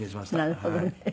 なるほどね。